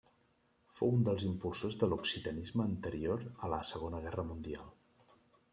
Fou un dels impulsors de l'occitanisme anterior a la Segona Guerra Mundial.